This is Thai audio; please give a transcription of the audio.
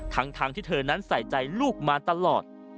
ทั้งที่เธอนั้นใส่ใจลูกมาตลอด